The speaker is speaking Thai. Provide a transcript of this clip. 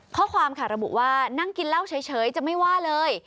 ข้อความค่ะระบุว่านั่งกินเหล้าเฉยจะไม่ว่าเลย